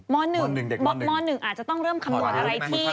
ม๑อาจจะต้องเริ่มคำนวณอะไรที่